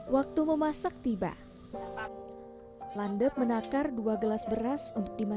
suami landep telah meninggal